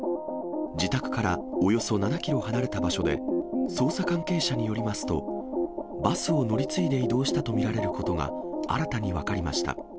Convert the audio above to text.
自宅からおよそ７キロ離れた場所で、捜査関係者によりますと、バスを乗り継いで移動したと見られることが新たに分かりました。